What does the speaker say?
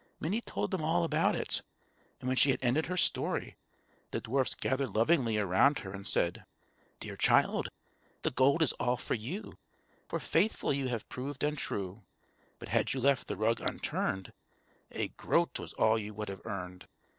Minnie told them all about it; and when she had ended her story, the dwarfs gathered lovingly around her and said: "_Dear child, the gold is all for you, For faithful you have proved and true; But had you left the rug unturned, A groat was all you would have earned.